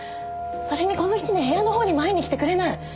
それにこの１年部屋の方にも会いに来てくれない！